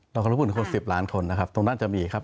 ขอรบพูดถึงคน๑๐ล้านคนนะครับตรงนั้นจะมีครับ